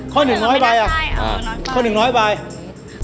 ข้อหนึ่งน้อยไปอ่ะข้อหนึ่งน้อยไปอ่าน้อยไป